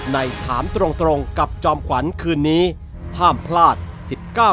ในถามตรงตรงกับจอมขวัญคืนนี้ห้ามพลาด๑๙นาฬิกา